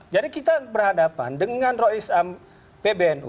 jadi kita berhadapan dengan roi pbnu